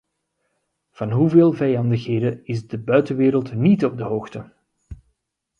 Van hoeveel vijandigheden is de buitenwereld niet op de hoogte?